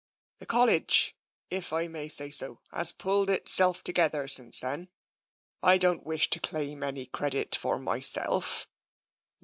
The College, if I may say so, has pulled itself together since then. I don't wish to claim any credit for myself."